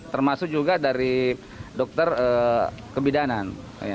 termasuk juga dari dokter kebidanan